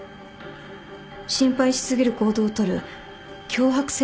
心配し過ぎる行動をとる強迫性